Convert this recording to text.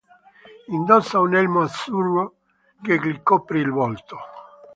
Indossa un elmo azzurro che gli copre il volto.